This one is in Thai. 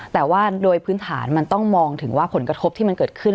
แต่ว่าโดยพื้นฐานมันต้องมองถึงว่าผลกระทบที่มันเกิดขึ้น